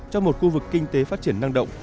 trong một khu vực kinh tế phát triển năng động